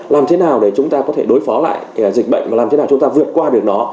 làm thế nào để chúng ta có thể đối phó lại dịch bệnh và làm thế nào chúng ta vượt qua được nó